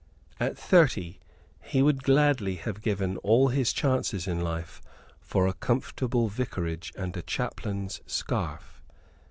At thirty, he would gladly have given all his chances in life for a comfortable vicarage and a chaplain's scarf.